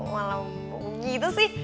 malah gitu sih